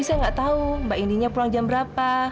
tapi saya nggak tahu mbak idinya pulang jam berapa